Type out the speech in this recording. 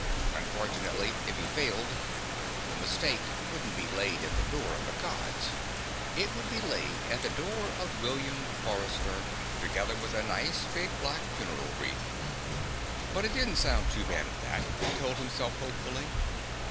Unfortunately, if he failed, the mistake wouldn't be laid at the door of the Gods. It would be laid at the door of William Forrester, together with a nice, big, black funeral wreath. But it didn't sound too bad at that, he told himself hopefully.